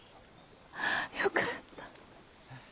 よかった。